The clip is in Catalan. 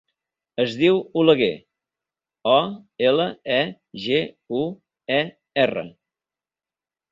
Es diu Oleguer: o, ela, e, ge, u, e, erra.